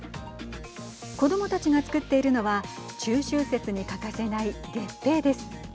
子どもたちが作っているのは中秋節に欠かせない月餅です。